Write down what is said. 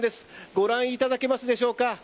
ご覧いただけますでしょうか。